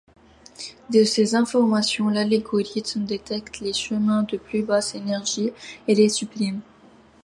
De ces informations, l'algorithme détecte les chemins de plus basse énergie, et les supprime.